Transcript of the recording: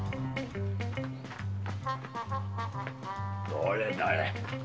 どれどれ。